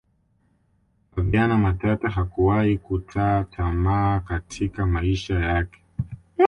flaviana matata hakuwahi kutaa tamaa katika maisha yake